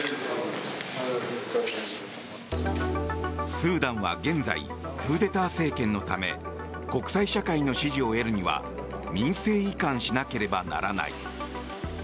スーダンは現在クーデター政権のため国際社会の支持を得るには民政移管しなければならない。